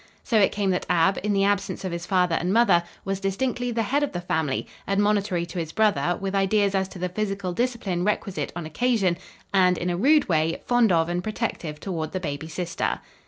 So it came that Ab, in the absence of his father and mother, was distinctly the head of the family, admonitory to his brother, with ideas as to the physical discipline requisite on occasion, and, in a rude way, fond of and protective toward the baby sister.